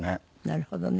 なるほどね。